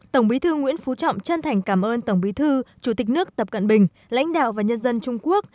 tổng bí thư nguyễn phú trọng chân thành cảm ơn tổng bí thư chủ tịch nước tập cận bình lãnh đạo và nhân dân trung quốc